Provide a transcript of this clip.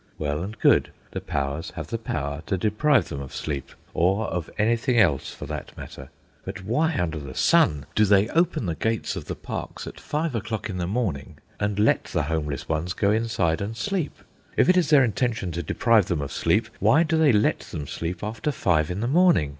Well and good, the powers have the power to deprive them of sleep, or of anything else for that matter; but why under the sun do they open the gates of the parks at five o'clock in the morning and let the homeless ones go inside and sleep? If it is their intention to deprive them of sleep, why do they let them sleep after five in the morning?